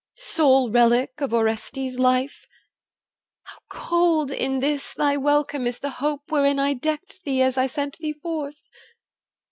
sole relic of Orestes' life, How cold in this thy welcome is the hope Wherein I decked thee as I sent thee forth!